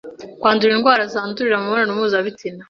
kwandura indwara zandurira mu mibonano mpuzabitsina